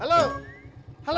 aku mau ke kantor